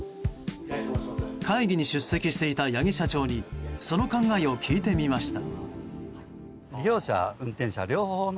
会議に出席していた八木社長にその考えを聞いてみました。